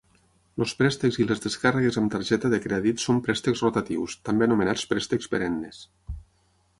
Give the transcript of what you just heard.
Els préstecs i les descàrregues amb targeta de crèdit són préstecs rotatius, també anomenats préstecs perennes.